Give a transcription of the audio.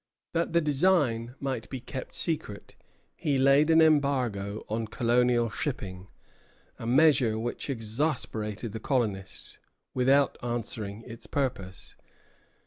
That the design might be kept secret, he laid an embargo on colonial shipping, a measure which exasperated the colonists without answering its purpose.